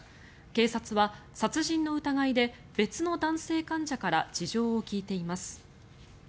警察は殺人の疑いで別の男性患者から事情を聴いています。